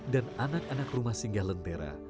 dan anak anak rumah singgah lentera